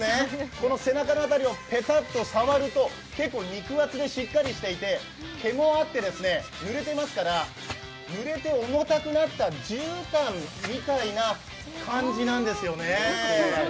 この背中の辺りをペタッと触ると結構肉厚でしっかりしてまして毛もあってぬれていますから、ぬれて重たくなったじゅうたんみたいな感じなんですよね。